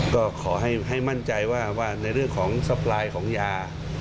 ก็ขอให้มั่นใจว่าในเรื่องของสปายของยา